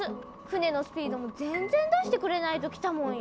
船のスピードも全然出してくれないときたもんよ。